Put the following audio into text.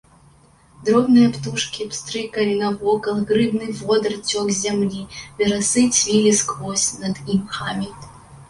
Дробныя птушкі пстрыкалі навокал, грыбны водар цёк з зямлі, верасы цвілі скрозь над імхамі.